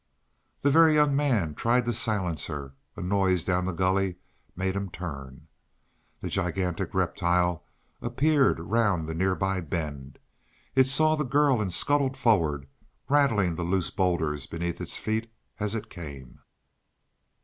The Very Young Man tried to silence her. A noise down the gully made him turn. The gigantic reptile appeared round the nearby bend. It saw the girl and scuttled forward, rattling the loose bowlders beneath its feet as it came.